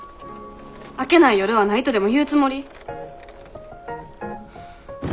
明けない夜はないとでも言うつもり！？